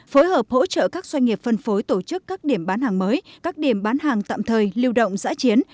phối hợp hỗ trợ các doanh nghiệp phân phối tổ chức các điểm bán hàng mới các điểm bán hàng tạm thời lưu động giã chiến